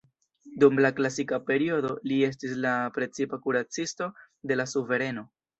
Dum la klasika periodo li estis la precipa kuracisto de la suvereno.